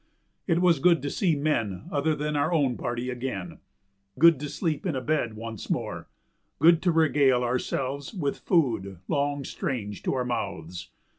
It was good to see men other than our own party again, good to sleep in a bed once more, good to regale ourselves with food long strange to our mouths.